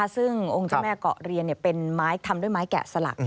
ซึ่งองค์เจ้าแม่เกาะเรียนเป็นไม้ทำด้วยไม้แกะสลัก